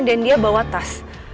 dan dia bawa tas